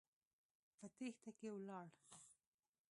په تېښته کې ولاړ.